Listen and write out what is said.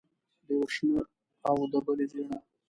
د یوې شنه او د بلې ژېړه.